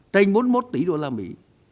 trên bốn mươi một tỷ đô la mỹ